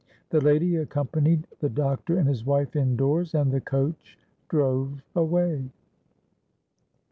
The lady accompanied the doctor and his wife in doors; and the coach drove away.